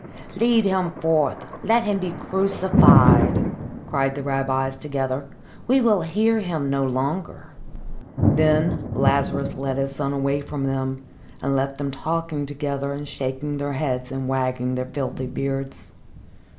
"Lead him forth! Let him be crucified!" cried the rabbis together. "We will hear him no longer." Then Lazarus led his son away from them, and left them talking together and shaking their heads and wagging their filthy beards.